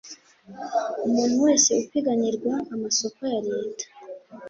umuntu wese upiganira amasoko ya leta